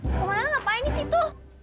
pamanang ngapain di situ